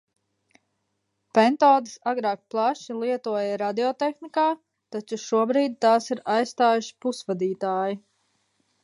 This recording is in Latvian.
Pentodes agrāk plaši lietoja radiotehnikā, taču šobrīd tās ir aizstājuši pusvadītāji.